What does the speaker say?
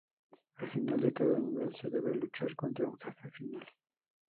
Al final de cada nivel se debe luchar contra un jefe final.